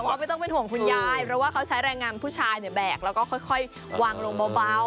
ว่าไม่ต้องเป็นห่วงคุณยายเพราะว่าเขาใช้แรงงานผู้ชายเนี่ยแบกแล้วก็ค่อยวางลงเบา